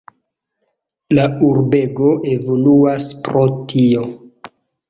La urbego evoluas pro tio.